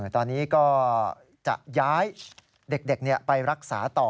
ตอนนี้ก็จะย้ายเด็กไปรักษาต่อ